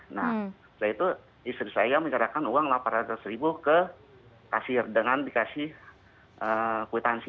nah setelah itu istri saya menyerahkan uang delapan ratus ribu ke kasir dengan dikasih kwitansi